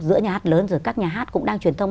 giữa nhà án lớn rồi các nhà án cũng đang truyền thông